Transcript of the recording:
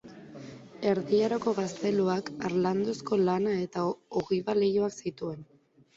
Erdi Aroko gazteluak harlanduzko lana eta ogiba-leihoak zituen.